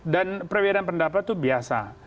dan perbedaan pendapat itu biasa